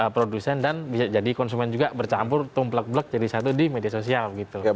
produsen dan bisa jadi konsumen juga bercampur tumplek blek jadi satu di media sosial gitu